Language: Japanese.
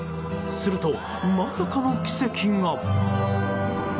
すると、まさかの奇跡が。